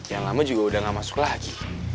yang lama juga udah gak masuk lagi